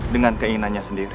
dengan keinginannya sendiri